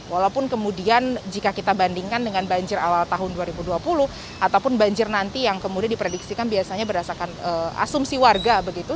walaupun kemudian jika kita bandingkan dengan banjir awal tahun dua ribu dua puluh ataupun banjir nanti yang kemudian diprediksikan biasanya berdasarkan asumsi warga begitu